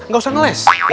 nggak usah ngeles